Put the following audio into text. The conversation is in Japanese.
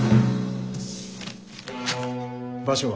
場所は？